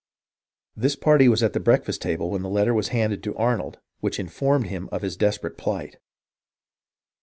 This party was at the breakfast table when the letter was handed to Arnold which informed him of his desper ate plight.